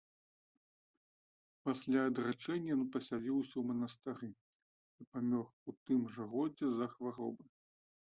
Пасля адрачэння ён пасяліўся ў манастыры і памёр у тым жа годзе з-за хваробы.